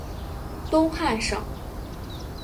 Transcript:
东汉省。